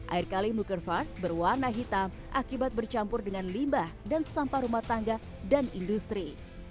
air kalimukervard berwarna hitam akibat bercampur dengan limbah dan sampah rumah tangga dan industri